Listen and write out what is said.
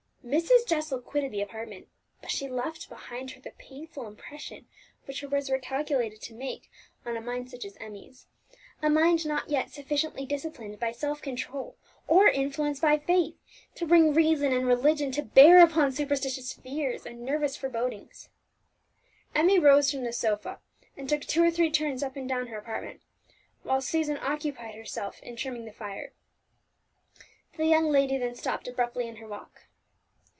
Mrs. Jessel quitted the apartment; but she left behind her the painful impression which her words were calculated to make on a mind such as Emmie's, a mind not yet sufficiently disciplined by self control, or influenced by faith, to bring reason and religion to bear upon superstitious fears and nervous forebodings. Emmie rose from the sofa, and took two or three turns up and down her apartment; while Susan occupied herself in trimming the fire. The young lady then stopped abruptly in her walk.